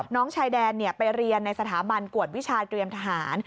น้องชายแดนไปเรียนในสถาบันกวดวิชาเตรียมทหาร